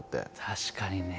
確かにね。